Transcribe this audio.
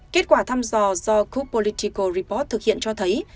kết quả thăm dò do cook political report thực hiện cho thấy